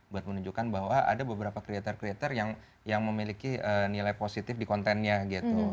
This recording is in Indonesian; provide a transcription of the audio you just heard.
buat menunjukkan bahwa ada beberapa creator creator yang memiliki nilai positif di kontennya gitu